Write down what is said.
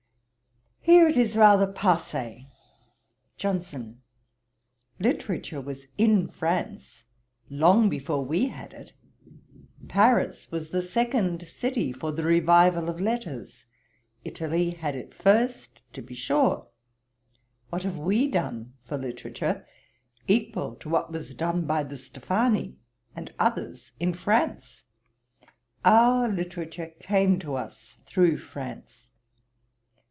Here it is rather passée.' JOHNSON. 'Literature was in France long before we had it. Paris was the second city for the revival of letters: Italy had it first, to be sure. What have we done for literature, equal to what was done by the Stephani and others in France? Our literature came to us through France.